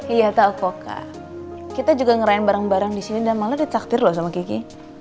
iya tau kok kak kita juga ngerayain barang barang di sini dan malah dicaktir loh sama kiki